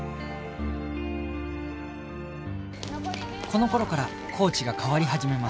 この頃からコーチが変わり始めます